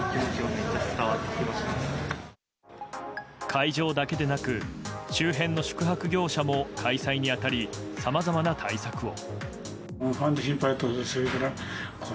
会場だけでなく周辺の宿泊業者も開催に当たりさまざまな対策を。